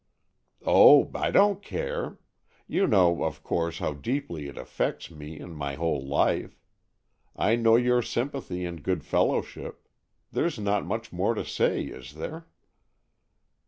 "Oh, I don't care. You know, of course, how deeply it affects me and my whole life. I know your sympathy and good fellowship. There's not much more to say, is there?"